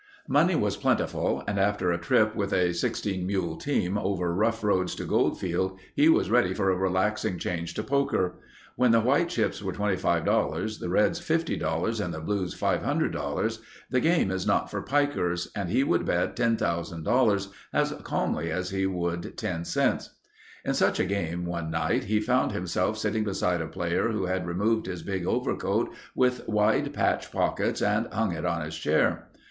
Money was plentiful and after a trip with a 16 mule team over rough roads to Goldfield, he was ready for a relaxing change to poker. When the white chips are $25, the reds $50, and the blues $500 the game is not for pikers and he would bet $10,000 as calmly as he would 10 cents. In such a game one night he found himself sitting beside a player who had removed his big overcoat with wide patch pockets and hung it on his chair.